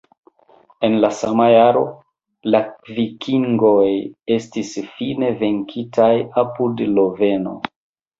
En la sama jaro, la vikingoj estis fine venkitaj apud Loveno.